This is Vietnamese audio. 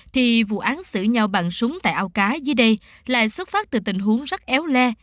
thì vụ án xử nhau bằng súng tại ao cá dưới đây lại xuất phát từ tình huống rất éo le